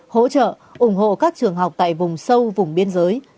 hỗ trợ ủng hộ các trường học tại vùng sâu vùng biên giới